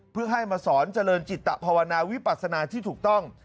เพื่อให้มาสอนเจริญจิตภาวนาวิปัสนาที่ถูกต้อง